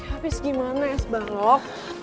abis gimana ya sebalok